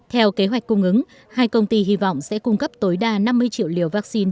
theo kế hoạch cung ứng hai công ty hy vọng sẽ cung cấp tối đa năm mươi triệu liều vaccine